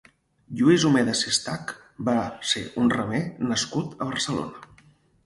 Lluís Omedes Sistach va ser un remer nascut a Barcelona.